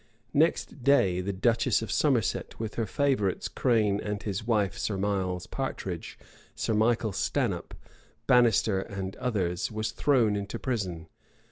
Next day, the duchess of Somerset, with her favorites Crane and his wife, Sir Miles Partridge, Sir Michael Stanhope, Bannister, and others, was thrown into prison.